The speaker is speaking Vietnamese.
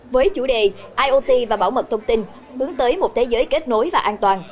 với chủ đề iot và bảo mật thông tin bướng tới một thế giới kết nối và an toàn